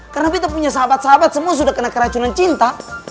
karena bita punya sahabat sahabat semua sudah kena keracunan cinta